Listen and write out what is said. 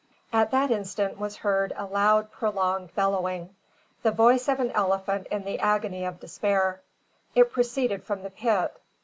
At that instant was heard a loud prolonged bellowing, the voice of an elephant in the agony of despair. It proceeded from the pit.